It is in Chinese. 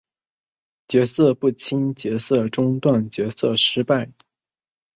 角色不清角色中断角色失败